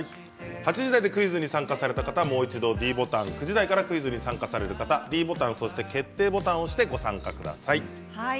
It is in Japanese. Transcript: ８時台でクイズに参加された方、もう一度ｄボタン９時台からご参加される方はｄボタンそして決定ボタンを押して参加してください。